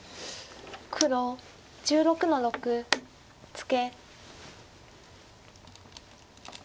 黒１６の六ツケ。